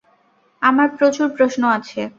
আমার প্রচুর প্রশ্ন আছে।